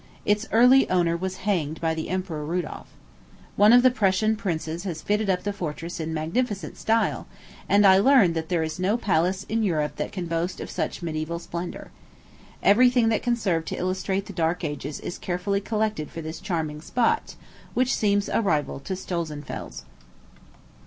Its early owner was hanged by the Emperor Rudolph. One of the Prussian princes has fitted up the fortress in magnificent style; and I learn that there is no palace in Europe that can boast of such mediæval splendor. Every thing that can serve to illustrate the dark ages is carefully collected for this charming spot, which seems a rival to Stolzenfels.